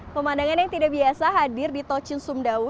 pemandangan yang tidak biasa hadir di tol cisumdawu